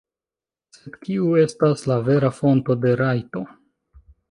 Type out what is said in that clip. Sed kiu estas la vera fonto de rajto?